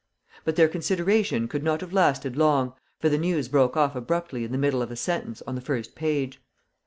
But their consideration could not have lasted long, for the news broke off abruptly in the middle of a sentence on the first page.